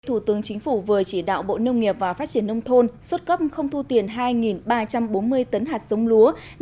thủ tướng chính phủ vừa chỉ đạo bộ nông nghiệp và phát triển nông thôn xuất cấp không thu tiền hai ba trăm bốn mươi tấn hạt sống lúa